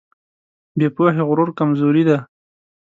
بې پوهې غرور کمزوري ده.